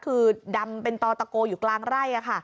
คือดำเป็นตอตะโกอยู่กลางไร่